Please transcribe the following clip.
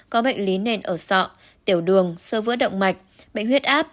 có bệnh lý nền ở sọ tiểu đường sơ vữa động mạch bệnh huyết áp